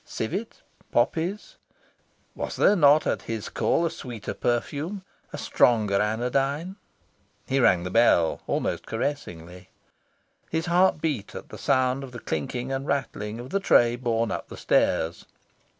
Civet, poppies? Was there not, at his call, a sweeter perfume, a stronger anodyne? He rang the bell, almost caressingly. His heart beat at sound of the clinking and rattling of the tray borne up the stairs.